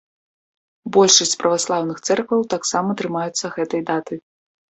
Большасць праваслаўных цэркваў таксама трымаюцца гэтай даты.